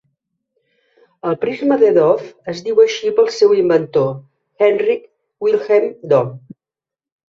El prisma de Dove es diu així pel seu inventor, Heinrich Wilhelm Dove.